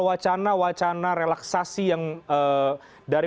wacana wacana relaksasi yang dari